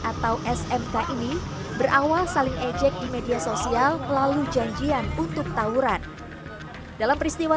atau smk ini berawal saling ejek di media sosial melalui janjian untuk tawuran dalam peristiwa